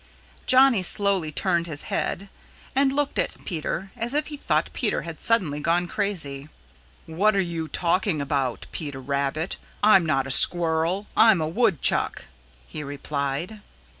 Johnny slowly turned his head and looked at Peter as if he thought Peter had suddenly gone crazy. "What are you talking about, Peter Rabbit? I'm not a Squirrel; I'm a Woodchuck," he replied.